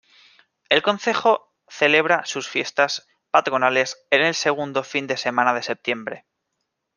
El concejo celebra sus fiestas patronales en el segundo fin de semana de septiembre.